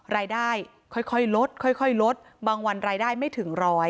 รายได้ค่อยลดบางวันรายได้ไม่ถึง๑๐๐